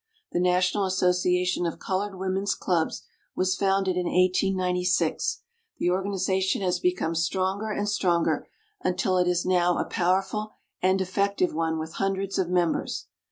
The National Association of Colored Women's Clubs was founded in 1896. The organization has become stronger and stronger until it is now a powerful and effective one with hundreds of members.